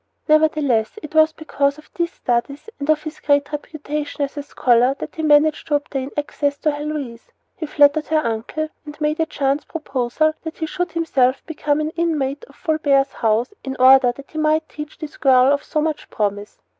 Nevertheless, it was because of these studies and of his great reputation as a scholar that he managed to obtain access to Heloise. He flattered her uncle and made a chance proposal that he should himself become an inmate of Fulbert's household in order that he might teach this girl of so much promise.